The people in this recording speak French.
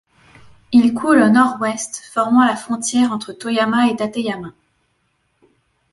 Il coule au nord-ouest, formant la frontière entre Toyama et Tateyama.